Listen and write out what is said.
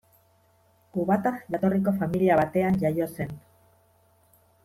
Kubatar jatorriko familia batean jaio zen.